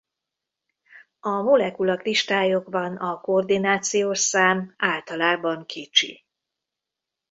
A molekulakristályokban a koordinációs szám általában kicsi.